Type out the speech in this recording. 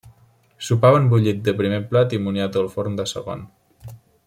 Sopaven bullit de primer plat i moniato al forn de segon.